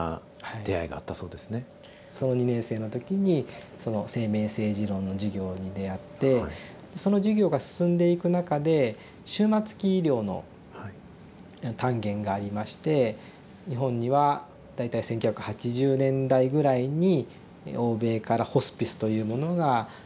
２年生の時に生命政治論の授業に出会ってその授業が進んでいく中で終末期医療の単元がありまして日本には大体１９８０年代ぐらいに欧米からホスピスというものが入ってきて。